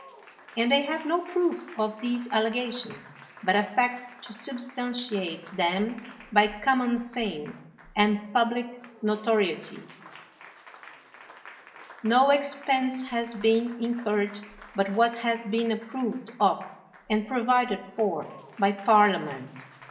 Aaid 157 THE WORLD'S FAMOUS ORATIONS they have no proof of these allegations, but affect to substantiate them by common fame and public notoriety ! Xo expense has been incurred but what has been approved of and provided for by Parlia ment.